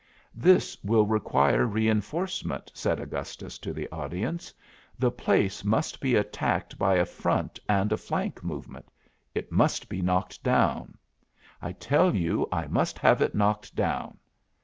"This will require reinforcement," said Augustus to the audience. "The place must be attacked by a front and flank movement. It must be knocked down. I tell you I must have it knocked down.